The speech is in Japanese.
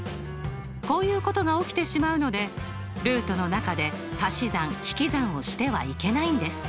こういうことが起きてしまうのでルートの中でたし算引き算をしてはいけないんです。